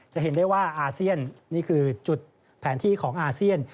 จะเห็นได้ว่าอาเซียนนี่คือจุดแผนที่ของอาเซียน